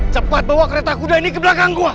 cepat bawa kereta kuda ini ke belakang gua